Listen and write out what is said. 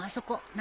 何？